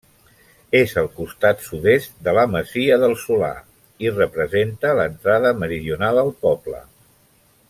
És al costat sud-est de la masia del Solà, i representa l'entrada meridional al poble.